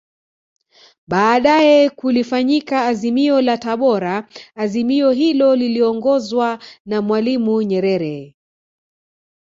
Baadae kulifanyika Azimio la Tabora Azimio hilo liliongozwa na Mwalimu Nyerere